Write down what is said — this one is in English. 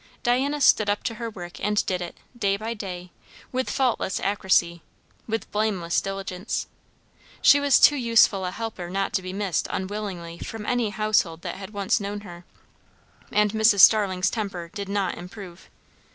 Diana stood up to her work and did it, day by day, with faultless accuracy, with blameless diligence. She was too useful a helper not to be missed unwillingly from any household that had once known her; and Mrs. Starling's temper did not improve.